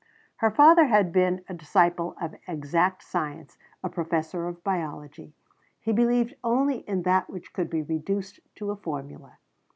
Her father had been a disciple of exact science, a professor of biology. He believed only in that which could be reduced to a formula.